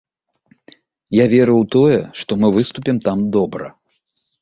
Я веру ў тое, што мы выступім там добра.